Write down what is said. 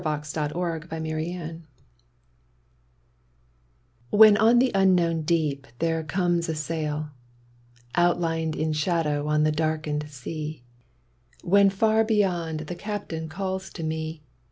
©utwatb Bounb HEN on the unknown deep there comes a sail, Outlined in shadow on the darkened sea, When far beyond the Captain calls to me.